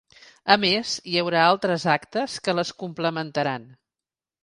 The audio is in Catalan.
A més, hi haurà altres actes que les complementaran.